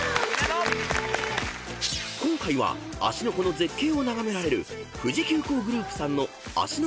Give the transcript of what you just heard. ［今回は芦ノ湖の絶景を眺められる富士急行グループさんの芦ノ